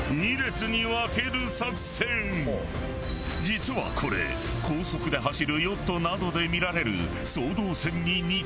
実はこれ高速で走るヨットなどで見られる双胴船に似た構造。